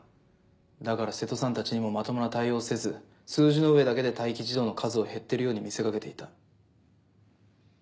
だから瀬戸さんたちにもまともな対応をせず数字の上だけで待機児童の数を減ってるように見せかけていた。